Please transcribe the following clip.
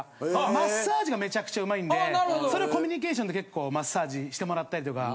マッサージがめちゃくちゃうまいんでそれコミュニケーションで結構マッサージしてもらったりとか。